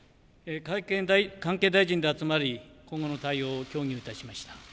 関係大臣らで集まり今後の対応を協議しました。